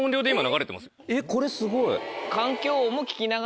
えっこれすごい。